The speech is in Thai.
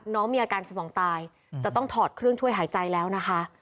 น้องมีอาการสมองตายจะต้องถอดเครื่องช่วยหายใจแล้วนะคะ